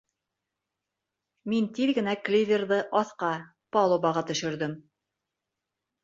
Мин тиҙ генә кливерҙы аҫҡа, палубаға төшөрҙөм.